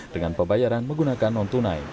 dengan pembayaran menggunakan non tunai